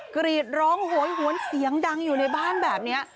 กรีดร้องโหยหวนเสียงดังอยู่ในบ้านแบบนี้